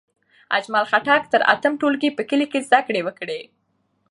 اجمل خټک تر اتم ټولګی په کلي کې زدکړې وکړې.